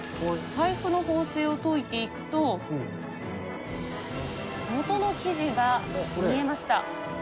財布の縫製をといていくと、元の生地が見えました。